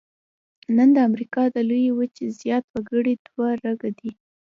نن د امریکا د لویې وچې زیات وګړي دوه رګه دي.